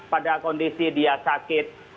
pada kondisi dia sakit